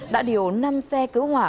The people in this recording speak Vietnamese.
đã điều năm xe cứu hỏa